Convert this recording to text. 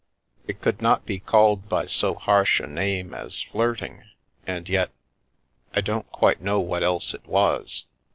It could not be called by so harsh a name as flirting, and yet — I don't quite know what else it was.